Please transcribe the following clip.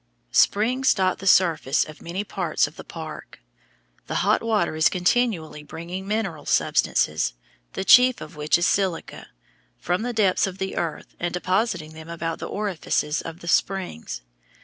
Springs dot the surface of many parts of the park. The hot water is continually bringing mineral substances, the chief of which is silica, from the depths of the earth and depositing them about the orifices of the springs.